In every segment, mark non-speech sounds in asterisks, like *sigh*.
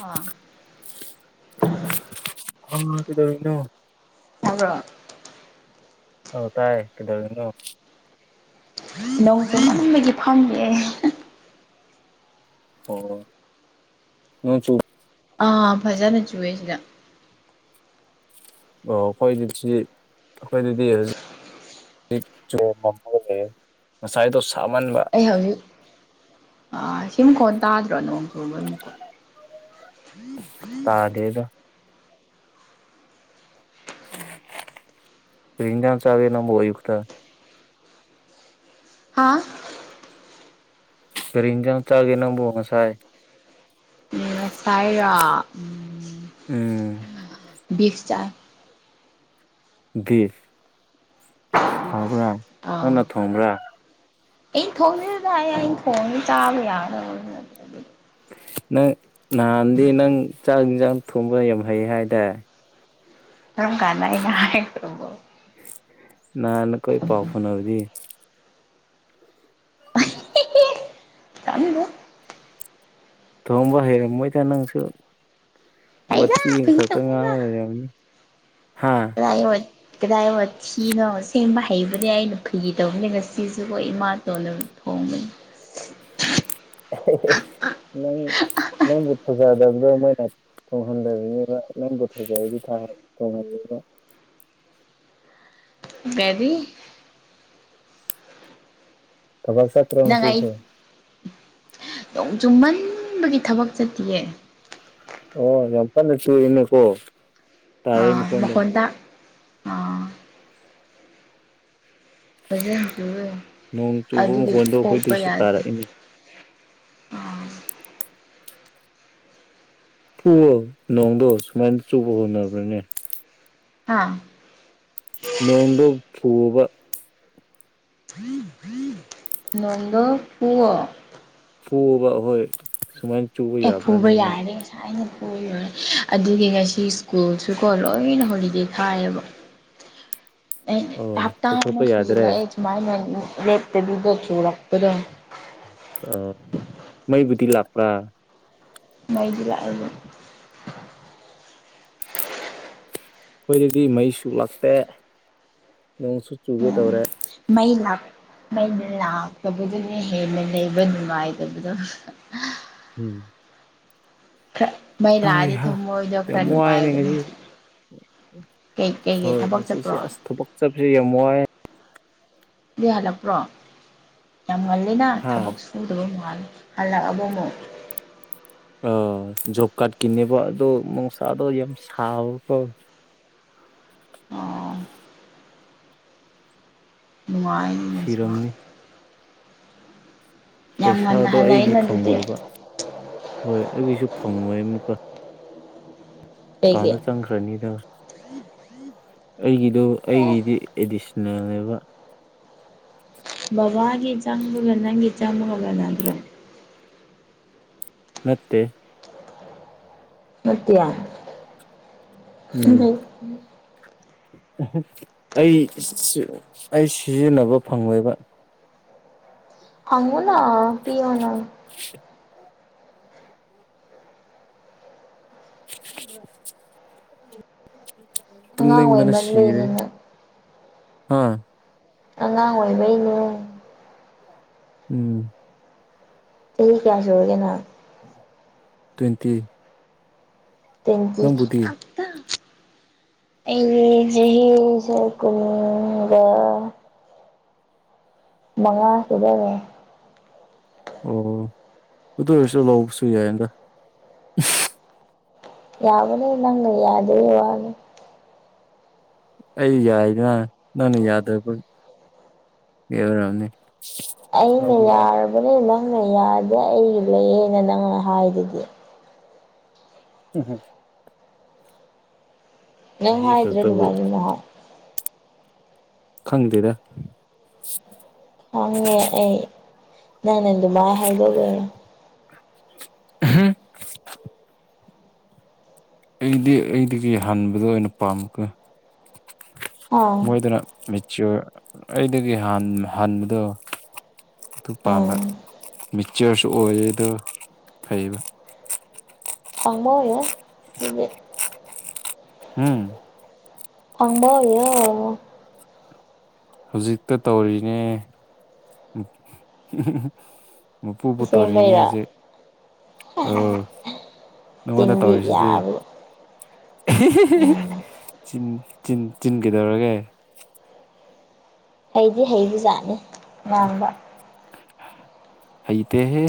ꯑꯥ ꯑꯝ ꯀꯩꯗꯧꯔꯤꯅꯣ ꯇꯥꯕ꯭ꯔꯣ ꯑꯧ ꯇꯥꯏꯌꯦ ꯀꯩꯗꯧꯔꯤꯅꯣ ꯅꯣꯡ ꯆꯨꯃꯟꯕꯒꯤ ꯐꯝꯃꯤꯌꯦ ꯑꯣ ꯅꯣꯡ ꯆꯨ ꯑꯥ ꯐꯖꯅ ꯆꯨꯑꯦ ꯁꯤꯗ ꯑꯣ ꯑꯩꯈꯣꯏꯗ ꯁꯤ ꯑꯩꯈꯣꯏꯗꯗꯤ ꯍꯧꯖꯤꯛ *unintelligible* ꯉꯁꯥꯏꯗꯣ ꯁꯥꯃꯟꯕ ꯑꯩ ꯍꯧꯖꯤꯛ ꯑꯥ ꯁꯤꯃꯈꯣꯟ ꯇꯥꯗ꯭ꯔꯣ ꯅꯣꯡ ꯆꯨꯕꯒꯤ ꯃꯈꯣꯟ ꯇꯥꯗꯦꯗꯥ ꯀ꯭ꯔꯤ ꯏꯟꯖꯥꯡ ꯆꯥꯒꯦ ꯅꯪꯕꯨ ꯑꯌꯨꯛꯇ ꯍꯥꯥ ꯀ꯭ꯔꯤ ꯏꯟꯖꯥꯡ ꯆꯥꯒꯦ ꯅꯪꯕꯨ ꯉꯁꯥꯏ ꯉꯁꯥꯏꯔꯣ ꯎꯝ ꯕꯤꯐ ꯆꯥꯏ ꯕꯤꯐ ꯍꯥꯎꯕ꯭ꯔꯥ ꯅꯪꯅ ꯊꯣꯡꯕ꯭ꯔꯥ ꯑꯩ ꯊꯣꯡꯗꯦꯗꯥ ꯑꯩ ꯊꯣꯡꯉꯥꯗꯤ ꯆꯥꯕ ꯌꯥꯗꯕꯅ ꯅꯪ ꯅꯍꯥꯟꯗꯤ ꯅꯪ ꯆꯥꯛ ꯢꯟꯁꯥꯡ ꯊꯣꯡꯕ ꯌꯥꯝ ꯍꯩ ꯍꯥꯏꯗꯥꯢ ꯀꯔꯝ ꯀꯥꯟꯗ ꯑꯩꯅ ꯍꯥꯏꯈ꯭ꯔꯕ ꯅꯍꯥꯟ ꯑꯈꯣꯏ ꯄꯥꯎ ꯐꯥꯎꯅꯔꯤꯗꯤ ꯍꯦꯑꯦ ꯇꯥꯅꯤꯡꯗꯦ ꯊꯣꯡꯕ ꯍꯩꯔꯝꯃꯣꯏꯗ ꯅꯪꯁꯨ ꯍꯩꯗ ꯋꯥꯊꯤ ꯐꯥꯒꯤ ꯈꯛꯇꯪ ꯉꯥꯡ ꯇꯧꯕꯅꯤꯗ ꯂꯩꯔꯝꯅꯤ ꯍꯥꯥ *inaudible* ꯀꯗꯥꯏ ꯋꯥꯊꯤꯅꯣ ꯁꯦꯡꯕ ꯍꯩꯕꯅꯦ ꯑꯩꯅ ꯐꯒꯤ ꯇꯧꯕꯅꯦ ꯉꯁꯤꯁꯨꯀꯣ ꯏꯃꯥ ꯇꯣꯟꯅ ꯊꯣꯡꯕꯅꯤ ꯅꯪ ꯅꯪꯕꯨ ꯊꯖꯗꯕꯗꯣ ꯃꯣꯏꯅ ꯊꯣꯡꯍꯟꯗꯕꯅꯦꯕ ꯅꯪꯕꯨ ꯊꯖꯔꯗꯤ ꯊꯥ ꯊꯣꯡꯍꯟꯅꯦꯕ ꯕꯦꯕꯤ ꯊꯕꯛ ꯆꯠ ꯅꯪ ꯑꯩ ꯅꯣꯡ ꯆꯨꯃꯟꯕꯒꯤ ꯊꯕꯛ ꯆꯠꯇꯤꯌꯦ ꯑꯣ ꯌꯥꯝ ꯀꯟꯅ ꯆꯨꯌꯦꯅꯦ ꯀꯣ ꯑꯥ ꯃꯈꯣꯟ ꯇꯥ ꯐꯖꯅ ꯆꯨꯕꯩꯅꯤ ꯅꯣꯡ ꯆꯨꯕ ꯑꯗꯨꯒꯤ ꯃꯈꯣꯟꯗꯣ ꯊꯣꯛꯄ ꯑꯩꯈꯣꯏꯗꯁꯨ ꯌꯥꯗꯦ ꯇꯥꯔꯛꯏꯅꯦ ꯑꯥ ꯐꯨꯋꯣ ꯅꯣꯡꯗꯣ ꯁꯨꯃꯥꯏꯅ ꯆꯨꯕ ꯍꯧꯅꯕ꯭ꯔꯅꯦ ꯍꯥ ꯅꯣꯡꯗꯣ ꯐꯨꯋꯣꯕ *inaudible* ꯅꯣꯡꯗꯣ ꯐꯨꯋꯣ ꯐꯨꯋꯣꯕ ꯍꯣꯏ ꯁꯨꯃꯥꯏ ꯑꯦ ꯐꯨꯕ ꯌꯥꯔꯗꯤ ꯉꯁ ꯁꯥꯏꯅ ꯐꯨꯔ ꯂꯣꯏꯔꯦ ꯑꯗꯨꯒꯤ ꯉꯁꯤ ꯁ꯭ꯀꯨꯜꯁꯨꯀꯣ ꯂꯣꯏꯅ ꯍꯣꯂꯤꯗꯦ ꯊꯥꯏꯌꯦꯕ ꯑꯩꯅ ꯑꯣ ꯍꯞꯇꯥ ꯑꯃ ꯆꯠꯊꯣꯛꯄ ꯌꯥꯗ꯭ꯔꯦ ꯁꯨꯖꯤꯜꯂꯛꯑꯦ ꯁꯨꯃꯥꯏꯅ ꯂꯦꯞꯇꯕꯤꯗ ꯆꯨꯔꯛꯄꯗꯣ ꯑꯣ ꯃꯩꯕꯨꯗꯤ ꯂꯥꯛꯄ꯭ꯔꯥ ꯃꯩꯗꯤ ꯂꯥꯛꯑꯦ ꯑꯗꯨꯝ ꯑꯈꯣꯏꯗꯗꯤ ꯃꯩꯁꯨ ꯂꯥꯛꯇꯦ ꯅꯣꯡꯁꯨ ꯆꯨꯒꯦ ꯇꯧꯔꯦ ꯎꯝ ꯃꯩ ꯂꯛ ꯃꯩꯅ ꯂꯥꯛꯇꯕꯗꯨꯅ ꯍꯦꯟꯅ ꯂꯩꯕ ꯅꯨꯡꯉꯥꯏꯇꯕꯗꯣ ꯎꯝ ꯈꯔ ꯃꯩ ꯂꯥꯑꯗꯤ ꯍꯩꯍꯥ ꯊꯝꯃꯣꯏꯗꯣ ꯈꯔ ꯌꯥꯝ ꯋꯥꯏꯅꯦ ꯅꯨꯡꯉꯥꯏꯕꯅꯦ ꯉꯁꯤꯁꯦ ꯀꯩ ꯀꯩꯀꯩ ꯊꯕꯛ ꯆꯠꯄ꯭ꯔꯣ ꯆꯠꯈ꯭ꯔꯦ ꯌꯥꯝ ꯋꯥꯏ ꯑꯗꯨꯗꯤ ꯍꯜꯂꯛꯄ꯭ꯔꯣ ꯌꯥꯝ ꯉꯜꯂꯦꯅ ꯍꯥ ꯊꯕꯛ ꯁ ꯎꯗ ꯃꯥꯜꯂꯦ ꯍꯜꯂꯛꯑꯕꯣ ꯑꯃꯨ ꯑ ꯖꯣꯕ ꯀꯥꯔꯗꯀꯤꯅꯦꯕ ꯑꯗꯣ ꯃꯣꯡꯁꯥꯗꯣ ꯌꯥꯝ ꯁꯕꯀꯣ ꯑꯣ ꯅꯨꯡꯉꯥꯏ ꯁꯤꯔꯝꯅꯤ ꯌꯥꯝ ꯉꯟꯅ ꯄꯩꯁꯥꯗꯣ ꯑꯩꯒꯤ ꯍꯜꯂꯛꯑꯦꯅ ꯑꯗꯨꯗꯤ ꯐꯪꯉꯣꯏꯕ ꯍꯣꯏ ꯑꯗꯨꯒꯤꯁꯨ ꯐꯪꯉꯣꯏ ꯑꯃꯨꯛꯀ ꯀꯩꯒꯤ ꯀꯥꯎꯟꯗ ꯆꯪꯈ꯭ꯔꯅꯤꯗ ꯑꯩꯒꯤꯗꯣ ꯑꯩꯒꯤꯗꯤ ꯑꯦꯗꯤꯁꯅꯦꯜꯅꯦꯕ ꯕꯥꯕꯒꯤ ꯆꯪꯕꯒ ꯅꯪꯒꯤ ꯆꯪꯕꯒ ꯃꯥꯟꯅꯗ꯭ꯔꯦ ꯅꯠꯇꯦ ꯅꯠꯇ꯭ꯌꯥ ꯎꯝ ꯑꯩ ꯑꯩ ꯁꯤꯖꯤꯟꯅꯕ ꯐꯪꯉꯣꯏꯕ ꯐꯪꯉꯨꯅ ꯄꯤꯌꯣꯅ *inaudible* ꯑꯉꯥꯡ ꯇꯨꯝꯅꯤꯡꯕꯅ ꯁꯤꯔꯦ ꯑꯣꯏꯃꯟꯕꯩꯅꯦ ꯅꯪ ꯍꯥ ꯑꯉꯥꯡ ꯑꯣꯏꯕꯩꯅꯦ ꯎꯝ ꯆꯍꯤ ꯀꯌꯥ ꯁꯨꯔꯒꯦ ꯅꯪ ꯇ꯭ꯋꯦꯟꯇꯤ ꯇ꯭ꯋꯦꯟꯇꯤ ꯅꯪꯕꯨꯗꯤ ꯑꯩ ꯆꯍꯤꯁꯦ ꯀꯨꯟꯒ ꯃꯉꯥ ꯁꯨꯗꯧꯔꯦ ꯑꯣ ꯑꯗꯨ ꯑꯣꯏꯔꯁꯨ ꯂꯧꯕꯁꯨ ꯌꯥꯏꯌꯦꯟꯗ ꯌꯥꯕꯅꯤ ꯅꯪꯅ ꯌꯥꯗꯕꯩ ꯋꯥꯅꯤ ꯑꯩ ꯌꯥꯏꯗꯥ ꯅꯪꯅ ꯌꯥꯗꯕ ꯌꯥꯔꯝꯅꯤ ꯑꯩꯅ ꯌꯥꯔꯕꯅꯦ ꯅꯪꯅ ꯌꯥꯗꯦ ꯑꯩ ꯂꯩꯌꯦꯅ ꯅꯪꯅ ꯍꯥꯏꯗꯨꯗꯤ *unintelligible* ꯅꯪ ꯆꯍꯤ ꯍꯥꯏꯗ꯭ꯔꯦ ꯈꯛꯇꯕꯨ ꯑꯗꯨꯃꯥꯏꯅ ꯅꯍꯥꯏ ꯈꯪꯗꯦꯗ ꯍꯪꯉꯦ ꯑꯩ ꯅꯪꯅ ꯑꯗꯨꯃꯥꯏ ꯍꯥꯏꯗꯣꯛꯂꯣꯏ *unintelligible* ꯑꯩꯗꯤ ꯑꯩꯗꯒꯤ ꯍꯟꯕꯗꯣ ꯑꯣꯏꯅ ꯄꯥꯝꯃꯀꯣ ꯑꯥ ꯃꯣꯏꯗꯅ ꯃꯦꯆ꯭ꯋꯣꯔ ꯑꯩꯗꯒꯤ ꯍꯥꯟ ꯍꯥꯟꯕꯗꯣ ꯑꯗꯨ ꯄꯥꯝꯕ ꯎꯝ ꯃꯦꯆ꯭ꯋꯣꯔꯁꯨ ꯑꯣꯏꯌꯦꯗꯣ ꯐꯩꯕ ꯑꯃꯣꯌꯣꯏ ꯗꯨꯗꯤ ꯍꯨꯡ ꯐꯪꯕ ꯑꯣꯏꯌꯣ ꯍꯧꯖꯤꯛꯇ ꯇꯧꯔꯤꯅꯦ ꯃꯄꯨꯕꯨ ꯇꯧꯔꯤꯅꯦ ꯑꯁꯦꯡꯕꯩꯔꯣ ꯍꯧꯖꯤꯛ ꯑꯣ ꯅꯉꯣꯟꯗ ꯆꯤꯟꯗꯤ ꯇꯧꯔꯤꯁꯤꯗꯤ ꯌꯥꯕ ꯎꯝ ꯆꯤꯟ ꯆꯤꯟ ꯆꯤꯟ ꯀꯩꯗꯧꯔꯒꯦ ꯍꯩꯗꯤ ꯍꯩꯕ ꯖꯥꯠꯅꯤ ꯉꯥꯡꯕ ꯍꯩꯇꯦꯍꯦ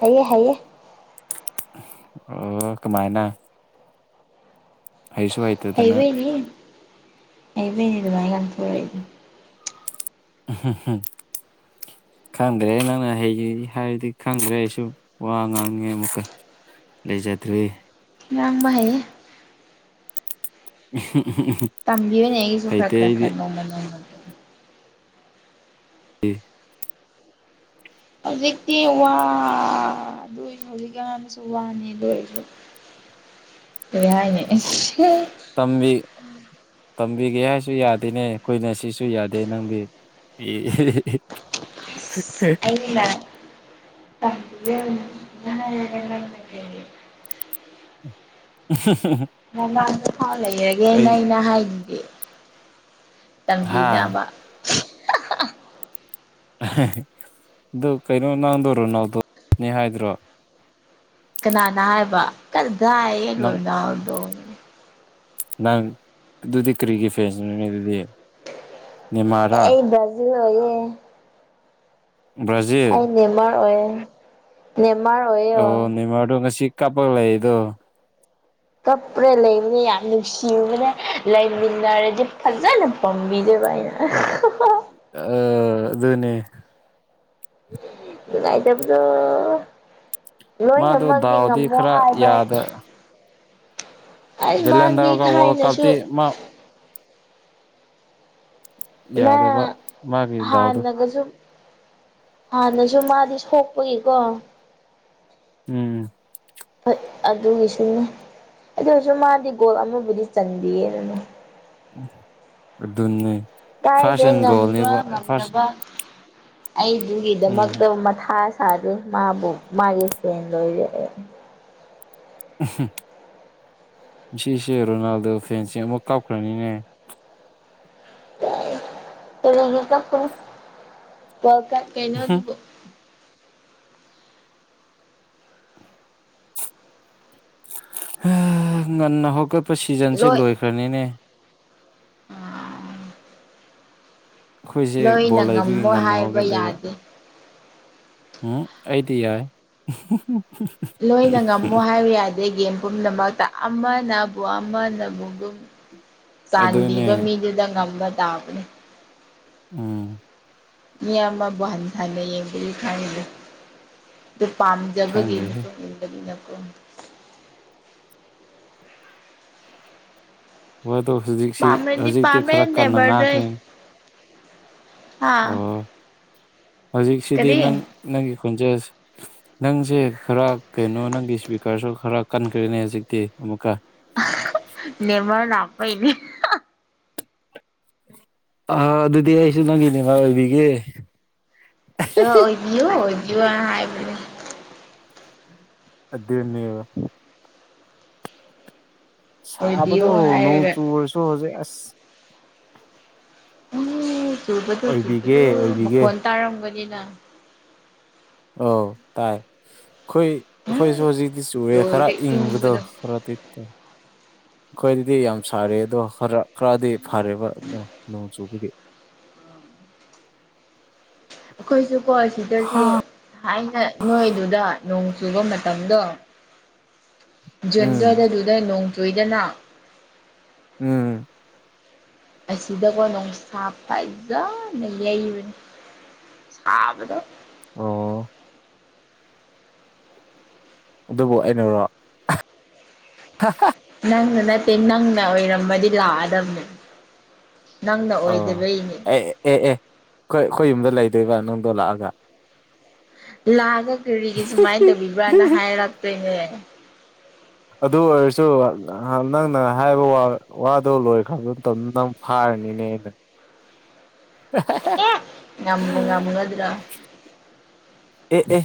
ꯍꯩꯌꯦ ꯍꯩꯌꯦ ꯑꯣ ꯀꯃꯥꯏꯅ ꯍꯩꯁꯨ ꯍꯩ ꯍꯩꯕꯩꯅꯤ ꯍꯩꯕꯩꯅꯤ ꯑꯗꯨꯃꯥꯏ ꯉꯥꯡꯊꯣꯔꯛꯏꯗꯣ *unintelligible* ꯈꯪꯗ꯭ꯔꯦ ꯅꯪꯅ ꯍꯩꯌꯦ ꯍꯥꯏꯔꯗꯤ ꯈꯪꯗ꯭ꯔꯦ ꯑꯩꯁꯨ ꯋꯥ ꯉꯥꯡꯅꯤꯡꯉꯦ ꯑꯃꯨꯛꯀ ꯂꯩꯖꯗ꯭ꯔꯤ ꯉꯥꯥꯡꯕ ꯍꯩꯌꯦ *unintelligible* ꯇꯝꯕꯤꯌꯨꯅꯦ ꯑꯩꯒꯤꯁꯨ ꯈꯔ ꯍꯩꯇꯦ ꯈꯔ ꯑꯩꯗꯤ ꯈꯔ ꯅꯣꯡꯃ ꯅꯣꯡꯃꯒꯤ ꯗꯤ ꯍꯧꯖꯤꯛꯇꯤ ꯋꯥ ꯑꯗꯨ ꯑꯣꯏꯁꯨ ꯍꯧꯖꯤꯛꯀꯤ ꯋꯥꯗꯨꯁꯨ ꯋꯥꯅꯤ ꯗꯨ ꯑꯣꯏꯔꯁꯨ ꯀꯩ ꯍꯥꯏꯅꯤ ꯑꯁ ꯇꯝꯕꯤ ꯇꯝꯕꯤꯒꯦ ꯍꯥꯏꯁꯨ ꯌꯥꯗꯦꯅꯦ ꯀꯣꯏꯅꯁꯤꯁꯨ ꯌꯥꯗꯦ ꯅꯪꯒꯤ ꯑꯦ ꯑꯩꯅ ꯇꯝꯕꯤꯌꯣꯅ ꯍꯥꯏꯔꯒ ꯅꯪꯅ ꯀꯔꯤ *unintelligible* ꯅꯃꯥꯡꯗꯐꯥꯎ ꯂꯩꯔꯒꯦꯅ ꯑꯩ ꯑꯩꯅ ꯍꯥꯏꯗꯨꯗꯤ ꯍꯥ ꯇꯝꯕꯤꯅꯕ ꯗꯨ ꯀꯩꯅꯣ ꯅꯪꯗꯣ ꯔꯣꯅꯥꯜꯗꯣꯅꯦ ꯍꯥꯏꯗ꯭ꯔꯣ ꯀꯅꯥꯅ ꯍꯥꯏꯕ ꯀꯗꯥꯏ ꯅꯪ ꯔꯣꯅꯥꯜꯗꯣ ꯅꯪ ꯑꯗꯨꯗꯤ ꯀꯔꯤꯒꯤ ꯐ꯭ꯔꯦꯁꯅꯣꯅꯦ ꯑꯗꯨꯗꯤ ꯅꯦꯃꯥꯔꯔꯥ ꯑꯩ ꯕ꯭ꯔꯥꯖꯤꯜ ꯑꯣꯏꯌꯦ ꯕ꯭ꯔꯥꯖꯤꯜ ꯑꯩ ꯅꯦꯃꯥꯔ ꯑꯣꯏꯌꯦ ꯅꯦꯃꯥꯔ ꯑꯣꯏꯌꯦ ꯑꯣ ꯅꯦꯃꯥꯔꯗꯣ ꯉꯁꯤ ꯀꯥꯞꯄꯒ ꯂꯩꯗꯨ꯫ ꯀꯞꯄ꯭ꯔꯦ ꯂꯩꯕꯅꯦ ꯌꯥꯝ ꯅꯨꯡꯁꯤꯕꯅꯦ ꯂꯩꯃꯤꯟꯅꯔꯗꯤ ꯐꯖꯅ ꯄꯝꯕꯤꯗꯣꯏꯕ ꯑꯩꯅ꯫ ꯑꯗꯨꯅꯤ꯫ ꯅꯨꯉꯥꯏꯇꯕꯗꯣ꯫ ꯃꯥꯗꯣ ꯂꯣꯏꯅꯃꯛꯗꯤ ꯗꯥꯎꯗꯤ ꯉꯝꯃꯣ ꯈꯔ ꯍꯥꯏꯕꯩ꯫ ꯕꯦꯂꯟꯗꯔꯒ ꯋꯥꯔꯜ ꯀꯞ ꯊꯥꯏꯅꯁꯨ ꯇꯤ ꯃꯥ ꯃꯥ ꯌꯥꯗꯕ ꯃꯥꯒꯤ ꯗꯥꯎꯗꯣ ꯍꯥꯟꯅꯒꯁꯨ꯫ ꯍꯥꯟꯅꯁꯨ ꯃꯥꯗꯤ ꯁꯣꯛꯄꯒꯤꯀꯣ꯫ ꯎꯝ꯫ ꯍꯣꯏ ꯑꯗꯨꯒꯤꯁꯨꯅꯦ ꯑꯗꯨ ꯑꯣꯏꯔꯁꯨ ꯃꯥꯗꯤ ꯒꯣꯜ ꯑꯃꯕꯨꯗꯤ ꯆꯟꯕꯤꯌꯦ ꯑꯗꯨꯅꯦ ꯐꯥꯁ ꯀꯥꯏꯗꯦ ꯑꯦꯟ ꯒꯣꯜꯅꯦꯕ ꯉꯝꯕ ꯐꯥꯁ ꯉꯝꯗꯕ ꯑꯩꯗꯨꯒꯤꯗꯃꯛꯇ ꯃꯊꯥ ꯁꯥꯗꯦ ꯃꯥꯕꯨ ꯃꯥꯒꯤ ꯐꯦꯟ ꯂꯣꯏꯔꯛꯑꯦ꯫ ꯉꯥꯁꯤꯁꯦ ꯔꯣꯅꯥꯜꯗꯣ ꯐꯦꯟꯁꯤꯡ ꯑꯃꯨꯛ ꯀꯥꯞꯈ꯭ꯔꯅꯤꯅꯦ꯫ ꯀꯔꯤꯒꯤ ꯀꯞꯄꯣꯏ ꯋꯥꯜ ꯀꯞ ꯀꯩꯅꯣꯗꯨꯕꯨ꯫ ꯍ ꯉꯟꯅ ꯍꯧꯒꯠꯄ ꯁꯤꯖꯟꯁꯦ ꯂꯣꯏ ꯂꯣꯏꯈ꯭ꯔꯅꯤꯅꯦ꯫ ꯑꯩꯈꯣꯏꯁꯦ ꯅꯣꯏꯅ ꯕꯣꯜ ꯂꯩꯕꯒꯤ ꯉꯝꯃꯣꯏ ꯉꯟꯅ ꯍꯥꯏꯕ ꯍꯧꯒꯠꯂꯦꯕ ꯌꯥꯗꯦ꯫ ꯎꯝ ꯑꯩꯗꯤ ꯌꯥꯏ꯫ ꯂꯣꯏꯅ ꯉꯝꯃꯨ ꯍꯥꯏꯕ ꯌꯥꯗꯦ ꯒꯦꯝ ꯄꯨꯝꯅꯃꯛꯇ ꯑꯃꯅ ꯑꯃꯅꯕꯨ ꯑꯗꯨꯝ ꯑꯗꯨꯅꯦ ꯆꯥꯟꯕꯤꯕ ꯃꯤꯗꯨꯗ ꯉꯝꯕ ꯇꯥꯕꯅꯦ꯫ ꯎꯝ꯫ ꯃꯤ ꯑꯃꯕꯨ ꯍꯟꯊꯅ ꯌꯦꯡꯕꯒꯤ *unintelligible* ꯑꯗꯨ ꯄꯥꯝꯖꯕꯒꯤ ꯈꯪꯗꯦꯍꯦ ꯃꯇꯨꯡ ꯏꯕꯅꯤꯅꯀꯣ꯫ ꯍꯣꯏ ꯑꯗꯨ ꯍꯧꯖꯤꯛꯁꯤ ꯄꯥꯝꯔꯗꯤ ꯍꯧꯖꯤꯛꯇꯤ ꯄꯥꯝꯃꯦ ꯈꯔ ꯀꯟꯅ ꯉꯥꯡꯈ꯭ꯔꯦꯅꯦ꯫ ꯑꯥ꯫ ꯑꯣ ꯍꯧꯖꯤꯛꯁꯤꯗꯤ ꯅꯪ ꯅꯪꯒꯤ ꯈꯣꯟꯖꯦꯜꯁ꯫ ꯅꯪꯁꯦ ꯈꯔ ꯀꯩꯅꯣ ꯅꯪꯒꯤ ꯏꯁꯄꯤꯀꯔꯁꯨ ꯈꯔ ꯀꯟꯈ꯭ꯔꯦꯅꯦ ꯍꯧꯖꯤꯛꯇꯤ ꯑꯃꯨꯛꯀ꯫ ꯅꯦꯃꯔꯂꯥꯛꯄꯩꯏꯅꯦ꯫ ꯑ ꯑꯗꯨꯗꯤ ꯑꯩꯁꯨ ꯅꯪꯒꯤ ꯅꯦꯃꯔꯃ ꯑꯣꯏꯕꯤꯒꯦ꯫ ꯑ ꯑꯣꯏꯕꯤꯌꯨ ꯑꯣꯏꯌꯨ ꯍꯥꯏꯕ ꯑꯗꯨꯅꯦꯕ ꯫ ꯁꯥꯕꯗꯣ ꯑꯣꯏꯕꯤꯌꯨ ꯅꯣꯡ ꯍꯥꯏꯔꯒ ꯆꯨ ꯔꯁꯨ ꯍꯧꯖꯤꯛ ꯑꯁ꯫ ꯎꯝ ꯆꯨꯕꯗꯨ ꯑꯣꯏꯕꯤꯒꯦ ꯆꯨꯕꯗꯨ ꯑꯣꯏꯕꯤꯒꯦ ꯃꯈꯣꯟ ꯇꯥꯔꯝꯒꯅꯤꯅ꯫ ꯑꯧ ꯇꯥꯏ ꯈꯣꯏ ꯎꯝ ꯑꯩꯈꯣꯏꯁꯨ ꯍꯧꯖꯤꯛꯗꯤ ꯆꯨꯔꯦ ꯈꯔ ꯂꯣꯏꯔꯦ ꯏꯪꯕꯗ ꯏꯪꯕꯗꯣ ꯈꯔꯗꯤ꯫ ꯑꯩꯈꯣꯏ ꯑꯗꯨꯗꯤ ꯌꯥꯝ ꯁꯥꯔꯦ ꯑꯗꯣ ꯈꯔ ꯈꯔꯗꯤ ꯐꯔꯦꯕ ꯅꯣꯡ ꯆꯨꯕꯒꯤ꯫ ꯑꯩꯈꯣꯏꯁꯨꯀꯣ ꯁꯤꯗꯁꯨ ꯊꯥꯏꯅ ꯅꯣꯏꯗꯨꯗ ꯅꯣꯡ ꯆꯨꯕ ꯃꯇꯝꯗꯣ ꯎꯝ ꯖꯟꯒꯗꯗꯨꯗ ꯅꯣꯡ ꯆꯣꯏꯗꯅ ꯎꯝ꯫ ꯑꯁꯤꯗꯀꯣ ꯅꯅꯨꯡꯁꯥ ꯐꯖꯅ ꯌꯩꯕꯅꯤ ꯁꯥꯕꯗꯣ ꯑꯣ꯫ ꯑꯗꯨꯕꯨ ꯑꯩꯅꯔꯣ꯫ ꯅꯪꯅ ꯅꯠꯇꯦ ꯅꯪꯅ ꯑꯣꯏꯔꯝꯃꯗꯤ ꯂꯥꯛꯑꯗꯕꯅꯦ꯫ ꯅꯪꯅ ꯑꯣ ꯑꯣꯏꯗꯕꯩꯅꯦ ꯑꯦ ꯑꯦ ꯑꯦ ꯑꯩꯈꯣꯏ ꯑꯩꯈꯣꯏ ꯌꯨꯝꯗ ꯂꯩꯗꯣꯏꯕ ꯅꯪꯡꯗꯣ ꯂꯥꯛꯑꯒ꯫ ꯂꯥꯟꯗ ꯀ꯭ꯔꯤꯒꯤ ꯁꯨꯃꯥꯏ꯭ꯟ ꯇꯧꯕꯤꯕ꯭ꯔꯥꯅ ꯍꯥꯏꯔꯛꯇꯣꯏꯅꯦ ꯑꯗꯨ ꯑꯣꯏꯔꯁꯨ ꯅꯪꯅ ꯍꯥꯏꯕ ꯋꯥ ꯋꯥꯗꯣ ꯂꯣꯏꯈ꯭ꯔꯕ ꯇꯝꯗꯧ ꯐꯥꯔꯅꯤꯅꯦ ꯅ ꯉꯝꯕꯨ ꯉꯃꯒꯗ꯭ꯔꯣ ꯑꯦ ꯑꯦ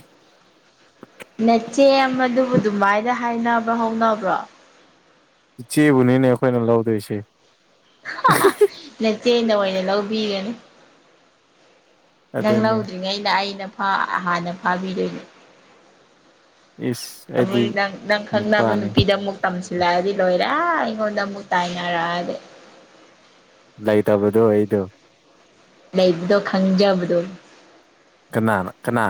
ꯅꯆꯦꯑꯝꯗꯕꯨ ꯗꯨꯃꯥꯏꯅ ꯍꯥꯏꯅꯕ ꯍꯧꯅꯕ꯭ꯔꯣ ꯏꯆꯦꯕꯨꯅꯤꯅꯦ ꯑꯩꯈꯣꯏꯅ ꯂꯧꯗꯣꯏꯁꯦ ꯅꯆꯦꯅ ꯑꯣꯏꯅ ꯂꯧꯕꯤꯒꯅꯤ ꯅꯪ ꯑꯗꯨꯅꯤ ꯂꯧꯗ꯭ꯔꯤꯉꯩꯩꯅ ꯑꯩꯅ ꯐꯥ ꯍꯥꯟꯅ ꯐꯥꯕꯤꯗꯣꯏꯅꯦ ꯏꯁ ꯑꯩꯗꯤ *unintelligible* ꯅꯪ ꯅꯪ ꯈꯪꯅꯕ ꯅꯨꯄꯥꯅꯤ ꯅꯨꯄꯤꯗꯃꯨꯛ ꯇꯝꯁꯂꯗꯤ ꯂꯣꯏꯔꯦ ꯑꯩꯉꯣꯟꯗ ꯑꯃꯨꯛ ꯇꯥꯏꯅꯔꯛꯑꯗꯤ ꯂꯩꯇꯕꯗꯣ ꯑꯩꯗꯨ ꯂꯩꯕꯗꯣ ꯈꯪꯖꯕꯗꯨ ꯀꯅꯥꯅ ꯀꯅꯥ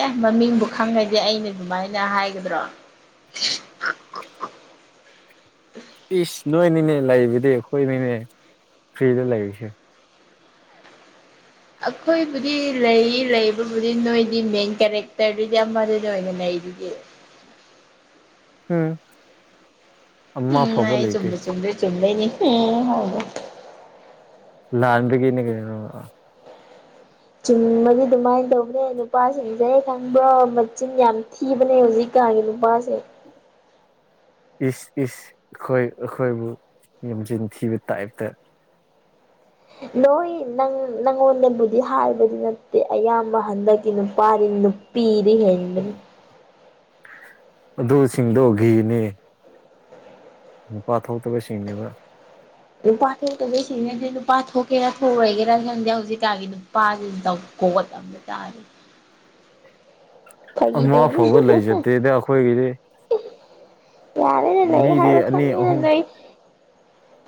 ꯑꯦ ꯃꯃꯤꯡꯕꯨ ꯈꯪꯉꯗꯤ ꯑꯩꯅ ꯑꯗꯨꯃꯥꯏꯅ ꯍꯥꯏꯒꯗ꯭ꯔꯣ ꯏꯁ ꯅꯣꯏꯅꯤꯅꯦ ꯂꯩꯕꯗꯤ ꯈꯣꯏꯅꯤꯅꯦ ꯐ꯭ꯔꯤꯗ ꯂꯩꯔꯤꯁꯦ ꯑꯈꯣꯏꯕꯨꯗꯤ ꯂꯩꯌꯦ ꯂꯩꯕꯕꯨꯗꯤ ꯅꯣꯏꯗꯤ ꯃꯦꯟ ꯀꯦꯔꯦꯛꯇꯔꯗꯨꯗꯤ ꯑꯃꯗꯨꯗ ꯑꯣꯏꯅ ꯂꯩꯗꯨꯗꯤ ꯎꯝ ꯑꯃ ꯐꯥꯎꯕ ꯂꯩꯇꯦ ꯁꯨꯝꯃꯦꯅꯤ *unintelligible* ꯂꯥꯟꯕꯔꯤꯒꯤꯅꯦ ꯀꯩꯅꯣ ꯑ ꯆꯨꯝꯕꯒꯤ ꯑꯗꯨꯃꯥꯏ꯭ꯟ ꯇꯧꯕꯅꯦ ꯅꯨꯄꯥꯁꯤꯡꯁꯩ ꯈꯪꯕ꯭ꯔꯣ ꯃꯆꯤꯟ ꯌꯥꯝ ꯊꯤ ꯀꯤꯕꯅꯦ ꯍꯨꯖꯤꯛꯀꯥꯟꯒꯤ ꯅꯨꯄꯥꯁꯦ ꯏꯁ ꯏꯁ ꯈꯣꯏ ꯑꯈꯣꯏꯕꯨ ꯌꯦꯝꯖꯤꯟ ꯊꯤꯕ ꯇꯥꯏ꯭ꯞꯇ ꯅꯣꯏ ꯅꯪ ꯅꯉꯣꯟꯗꯕꯨꯗꯤ ꯍꯥꯏꯕꯗꯤ ꯅꯠꯇꯦ ꯑꯌꯥꯝꯕ ꯍꯟꯗꯛꯀꯤ ꯅꯨꯄꯥꯔꯤ ꯄꯤꯗꯤ ꯍꯦꯜ ꯑꯗꯨꯁꯤꯡꯗꯣ ꯒꯦꯅꯦ ꯅꯨꯄꯥ ꯊꯣꯛꯇꯕꯁꯤꯡꯅꯦꯕ ꯅꯨꯄꯥ ꯊꯣꯛꯇꯕꯁꯤꯅꯦꯗꯤ ꯅꯨꯄꯥ ꯊꯣꯛꯀꯦꯔꯥ ꯊꯣꯛꯑꯣꯒꯦꯔꯥ ꯈꯪꯗꯦ ꯍꯧꯖꯤꯛꯀꯥꯟꯒꯤ ꯅꯨꯄꯥꯁꯤꯡꯇꯧꯀꯣꯠ ꯗꯦꯇꯥꯗꯤ ꯑꯃ ꯐꯥꯎꯕ ꯂꯩꯖꯗꯦꯗ ꯑꯈꯣꯏꯒꯤꯗꯤ ꯌꯥꯔꯦꯅꯦ ꯂꯩ ꯃꯤꯗꯤ ꯍꯥꯏꯕ ꯑꯅꯤ ꯈꯪꯉꯦꯅ ꯑꯍꯨꯝ ꯂꯩ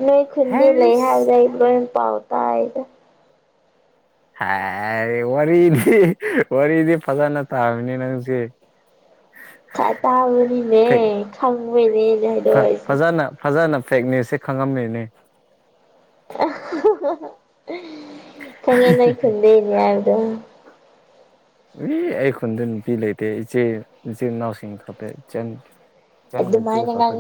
ꯅꯣꯏ ꯈꯨꯟꯗꯤ ꯂꯩ ꯍꯩꯁ ꯍꯥꯏꯕꯗ ꯑꯩ ꯂꯣꯏ ꯄꯥꯎ ꯇꯥꯏ ꯍꯥꯏ ꯋꯥꯔꯤꯗꯤ ꯋꯥꯔꯤꯗꯤ ꯐꯖꯅ ꯇꯥꯒꯅꯤ ꯅꯪꯁꯦ ꯇꯥ ꯇꯥꯕꯅꯤꯅꯦ ꯐꯦꯛ ꯈꯪꯕꯩꯅꯦ ꯑꯩꯅ ꯍꯥꯏꯗꯣꯛ ꯐ ꯍꯥꯏꯁꯦ ꯐꯖꯅ ꯐꯖꯅ ꯐꯦꯛ ꯅ꯭ꯌꯨꯁꯁꯦ ꯈꯪꯉꯝꯃꯦꯅꯦ ꯈꯪꯉꯦ ꯅꯣꯏ ꯈꯨꯟꯗꯩꯅꯦ ꯍꯥꯏꯕꯗꯣ *inaudible* ꯔꯤ ꯑꯩ ꯈꯨꯟꯗ ꯅꯨꯄꯤ ꯂꯩꯇꯦ ꯏꯆꯦ ꯏꯆꯤꯟꯅꯥꯎꯁꯤꯡ ꯈꯄꯦ ꯏꯆꯟ ꯏꯆꯟꯒ ꯑꯗꯨꯃꯥꯏꯅ ꯉꯥꯡꯅ ꯏꯆꯦꯈꯛꯇꯅꯤ